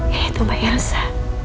yaitu mbak yasa